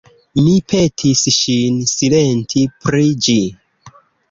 Mi petis ŝin silenti pri ĝi.